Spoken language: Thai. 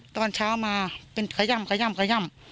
ตอนเช้ามาเป็นขย่ำ